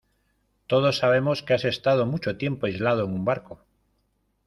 todos sabemos que has estado mucho tiempo aislado en un barco.